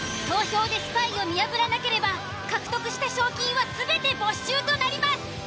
投票でスパイを見破らなければ獲得した賞金は全て没収となります。